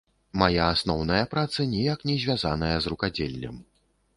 Мая асноўная праца ніяк не звязаная з рукадзеллем.